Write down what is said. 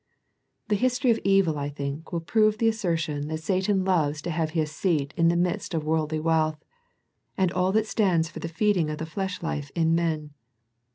The history of evil I think will prove the assertion that Satan loves to have his seat in the midst of worldly wealth, and all that stands for the feeding of the flesh life in men.